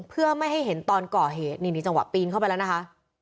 เพื่อไม่ให้เห็นตอนก่อเหตุนี่นี่จังหวะปีนเข้าไปแล้วนะคะ